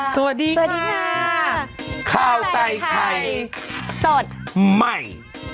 สวัสดีค่ะข้าวใส่ไข่สดใหม่